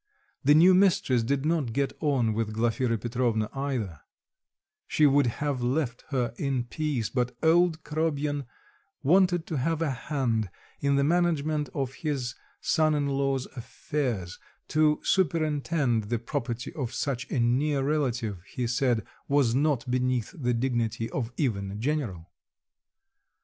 The new mistress did not get on with Glafira Petrovna either; she would have left her in peace, but old Korobyin wanted to have a hand in the management of his son in law's affairs; to superintend the property of such a near relative, he said, was not beneath the dignity of even a general.